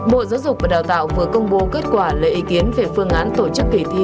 bộ giáo dục và đào tạo vừa công bố kết quả lấy ý kiến về phương án tổ chức kỳ thi